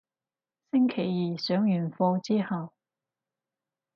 星期二上完課之後